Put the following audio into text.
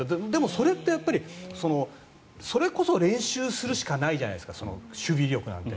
それってやっぱりそれこそ練習するしかないじゃないですか守備力なんて。